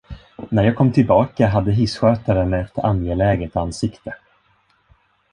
När jag kom tillbaka hade hisskötaren ett angeläget ansikte.